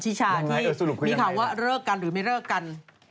ชาที่มีข่าวว่าเลิกกันหรือไม่เลิกกัน